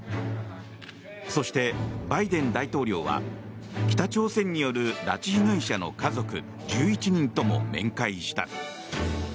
そしてバイデン大統領は北朝鮮による拉致被害者の家族１１人とも面会した。